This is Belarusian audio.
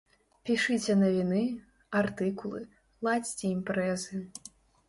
Пішыце навіны, артыкулы, ладзьце імпрэзы.